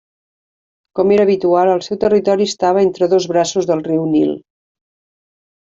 Com era habitual el seu territori estava entre dos braços del riu Nil.